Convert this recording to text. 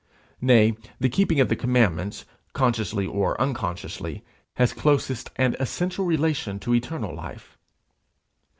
Nay, the keeping of the commandments, consciously or unconsciously, has closest and essential relation to eternal life.